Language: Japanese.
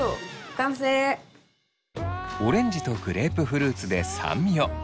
オレンジとグレープフルーツで酸味を。